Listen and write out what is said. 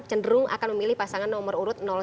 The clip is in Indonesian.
cenderung akan memilih pasangan nomor urut satu